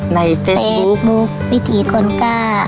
ในเฟซบุ๊ควิถีคนกล้า